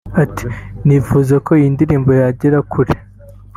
Ati « Nifuza ko iyi ndirimbo yagera kure